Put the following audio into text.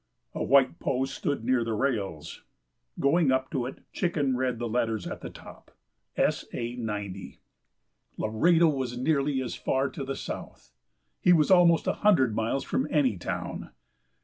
A white post stood near the rails. Going up to it, Chicken read the letters at the top, S. A. 90. Laredo was nearly as far to the south. He was almost a hundred miles from any town.